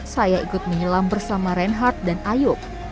saya ikut menyelam bersama reinhardt dan ayub